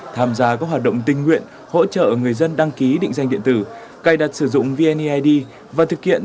tham gia các hoạt động tình nguyện hỗ trợ người dân đăng ký định danh điện tử cài đặt sử dụng vneid và thực hiện